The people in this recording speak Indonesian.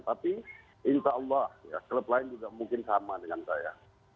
tapi insya allah klub lain juga mungkin sama dengan saya